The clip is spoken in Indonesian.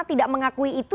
tidak mengakui itu